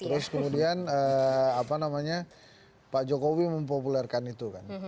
terus kemudian pak jokowi mempopulerkan itu kan